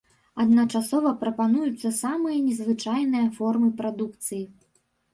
Адначасова прапануюцца самыя незвычайныя формы прадукцыі.